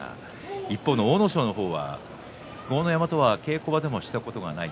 一方の阿武咲の方は豪ノ山とは稽古場でもしたことがない